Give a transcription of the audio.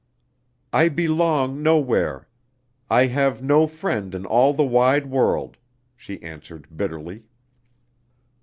"I belong nowhere. I have no friend in all the wide world," she answered bitterly.